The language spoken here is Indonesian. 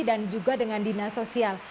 dan juga dengan dina sosial